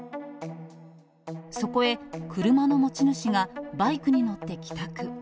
そこへ、車の持ち主がバイクに乗って帰宅。